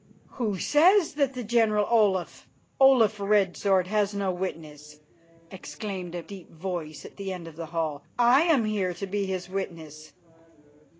"Who says that the General Olaf, Olaf Red Sword, has no witness?" exclaimed a deep voice at the end of the hall. "I am here to be his witness."